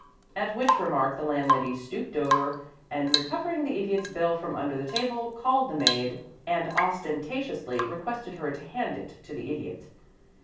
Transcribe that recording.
At which remark the landlady stooped over, and recovering the Idiot's bill from under the table, called the maid, and ostentatiously requested her to hand it to the Idiot.